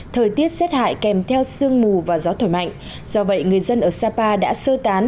thời tiết rét hại kèm theo sương mù và gió thổi mạnh do vậy người dân ở sapa đã sơ tán